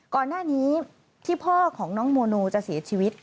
ก่อนหน้านี้ที่พ่อของน้องโมโนจะเสียชีวิต